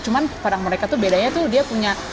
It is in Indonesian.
cuma padang mereka tuh bedanya tuh dia punya